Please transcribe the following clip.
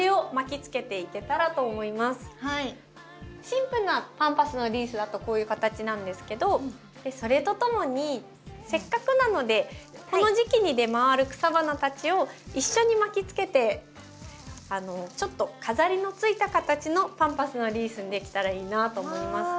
シンプルなパンパスのリースだとこういう形なんですけどそれとともにせっかくなのでこの時期に出回る草花たちを一緒に巻きつけてちょっと飾りのついた形のパンパスのリースにできたらいいなと思います。